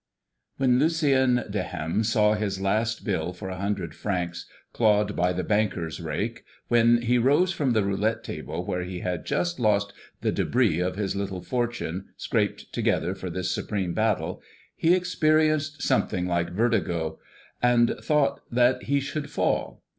When Lucien de Hem saw his last bill for a hundred francs clawed by the banker's rake, when he rose from the roulette table where he had just lost the débris of his little fortune scraped together for this supreme battle, he experienced something like vertigo, and thought that he should fall.